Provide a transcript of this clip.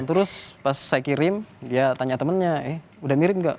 terus pas saya kirim dia tanya temennya eh udah mirip gak